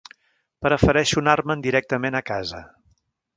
Prefereixo anar-me'n directament a casa.